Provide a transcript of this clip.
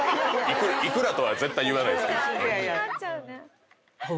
幾らとは絶対言わないですけど。